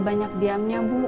banyak diamnya bu